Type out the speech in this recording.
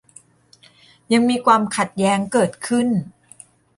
ยังมีความขัดแย้งเกิดขึ้น